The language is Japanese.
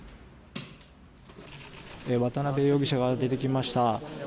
渡邉容疑者が出てきました。